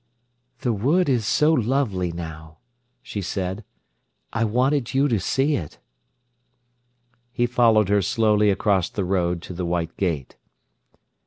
"The wood is so lovely now," she said. "I wanted you to see it." He followed her slowly across the road to the white gate.